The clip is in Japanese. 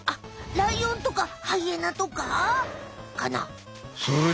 ライオンとかハイエナとかかな？